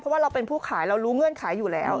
เพราะว่าเราเป็นผู้ขายเรารู้เงื่อนไขอยู่แล้ว